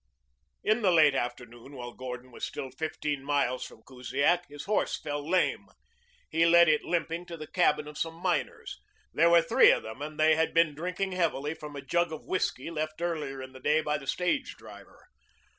In the late afternoon, while Gordon was still fifteen miles from Kusiak, his horse fell lame. He led it limping to the cabin of some miners. There were three of them, and they had been drinking heavily from a jug of whiskey left earlier in the day by the stage driver.